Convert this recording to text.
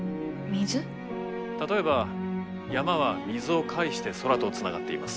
例えば山は水を介して空とつながっています。